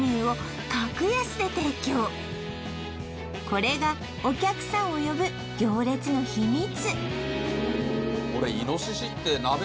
これがお客さんを呼ぶ行列の秘密